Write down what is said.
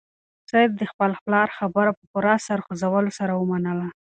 سعید د خپل پلار خبره په پوره سر خوځولو سره ومنله.